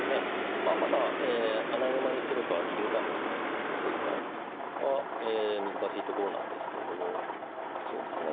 まあまだ穴熊にするか銀冠にするかは難しいところなのですけれどもそうですね